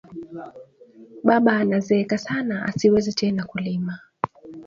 Baba ana zeka sana ashiwezi tena kurima